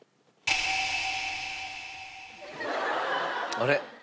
あれ？